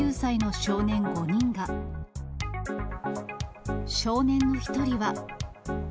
少年の１人は。